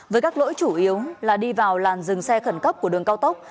với các lỗi chủ yếu là đi vào làn dừng xe khẩn cấp của đường cao tốc